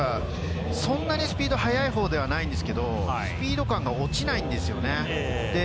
そんなにスピード速い方ではないんですけど、スピード感が落ちないんですよね。